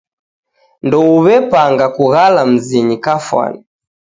Ndouw'epanga kughala mzinyi kafwani.